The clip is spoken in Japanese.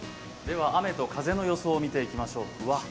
雨と風の予想を見ていきましょう。